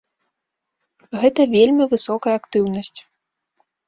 Гэта вельмі высокая актыўнасць.